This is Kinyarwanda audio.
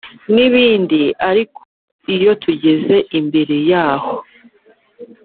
nibindi ariko iyo tugeze imbere yaho